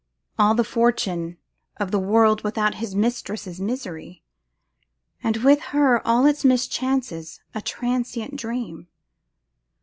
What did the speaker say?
All the fortune of the world without his mistress is misery; and with her all its mischances a transient dream.